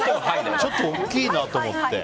ちょっと大きいなと思って。